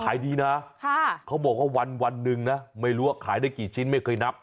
ขายดีนะเขาบอกว่าวันหนึ่งนะไม่รู้ว่าขายได้กี่ชิ้นไม่เคยนับ